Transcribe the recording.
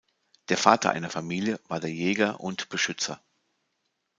Der Vater einer Familie war der Jäger und Beschützer.